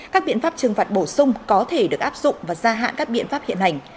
các biện pháp trừng phạt bổ sung có thể được áp dụng và gia hạn các biện pháp hiện hành